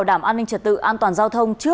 em không có giấy tờ gì